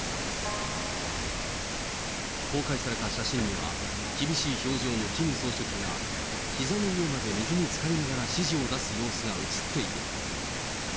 公開された写真には、厳しい表情のキム総書記が、ひざの上まで水につかりながら指示を出す様子が写っている。